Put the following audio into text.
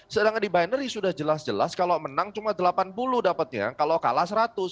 sedangkan di binary sudah jelas jelas kalau menang cuma delapan puluh dapatnya kalau kalah seratus